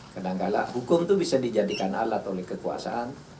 kadangkala hukum itu bisa dijadikan alat oleh kekuasaan